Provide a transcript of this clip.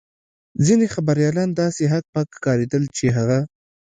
ځینې خبریالان داسې هک پک ښکارېدل چې هغه.